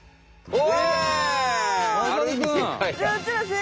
お。